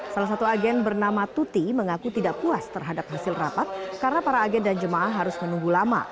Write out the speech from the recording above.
salah satu agen bernama tuti mengaku tidak puas terhadap hasil rapat karena para agen dan jemaah harus menunggu lama